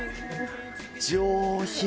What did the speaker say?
上品。